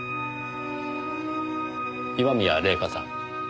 今宮礼夏さん。